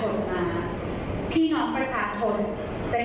ให้เป็นจิตได้